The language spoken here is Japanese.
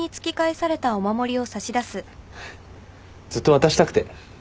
ずっと渡したくて。